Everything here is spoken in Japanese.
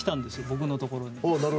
僕のところに。